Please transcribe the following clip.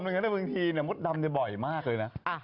แต่บางทีมดดำจะบ่อยมากเลยนะ